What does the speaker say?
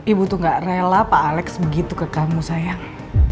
ibu tuh gak rela pak alex begitu ke kamu sayang